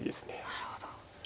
なるほど。